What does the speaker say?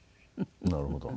なるほど。